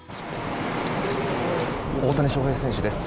大谷翔平選手です。